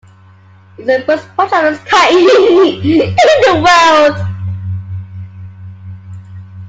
It's the first project of its kind in the world!